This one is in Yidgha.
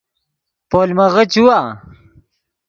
پولمغے چیوا